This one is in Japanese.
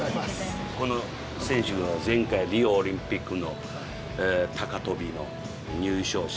この選手は前回リオオリンピックの高飛びの入賞者。